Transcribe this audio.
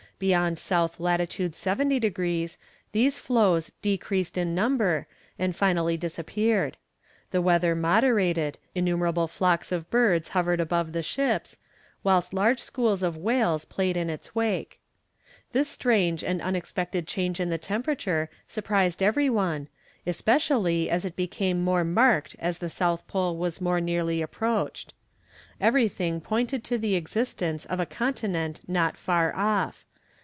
Beyond S. lat. 70 degrees, these floes decreased in number, and finally disappeared; the weather moderated, innumerable flocks of birds hovered above the ships, whilst large schools of whales played in its wake. This strange and unexpected change in the temperature surprised every one, especially as it became more marked as the South Pole was more nearly approached. Everything pointed to the existence of a continent not far off.